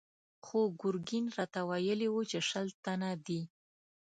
خو ګرګين راته ويلي و چې شل تنه دي.